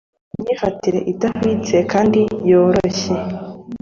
Imyifatire idahwitse kandi yoroshye